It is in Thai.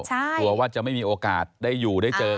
กลัวว่าจะไม่มีโอกาสได้อยู่ได้เจอ